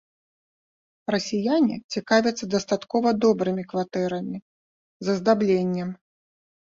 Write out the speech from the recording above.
Расіяне цікавяцца дастаткова добрымі кватэрамі, з аздабленнем.